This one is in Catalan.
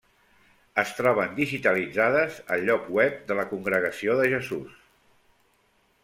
Es troben digitalitzades al lloc web de la Congregació de Jesús.